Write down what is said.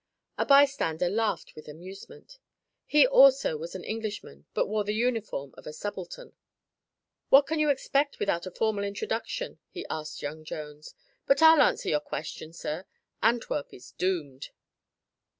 A bystander laughed with amusement. He also was an Englishman, but wore the uniform of a subaltern. "What can you expect, without a formal introduction?" he asked young Jones. "But I'll answer your question, sir; Antwerp is doomed."